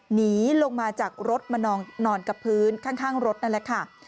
หนีลงมาจากรถมานอนกับพื้นข้างรถนั่นแหละค่ะ